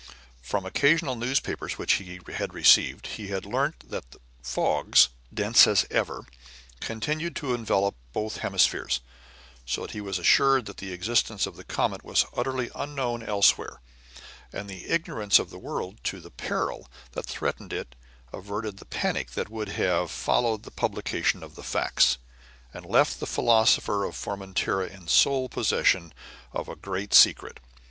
From occasional newspapers which he had received, he had learnt that fogs, dense as ever, continued to envelop both hemispheres, so that he was assured that the existence of the comet was utterly unknown elsewhere; and the ignorance of the world as to the peril that threatened it averted the panic that would have followed the publication of the facts, and left the philosopher of Formentera in sole possession of the great secret.